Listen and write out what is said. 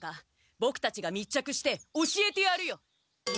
ボクたちが密着して教えてやるよ。